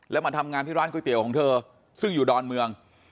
แล้วมาทำงานที่ร้านก๋วยเตี๋ยวของเธอซึ่งอยู่ดอนเมือง